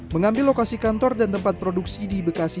mengambil lokasi kantor dan tempat produksi di bekasi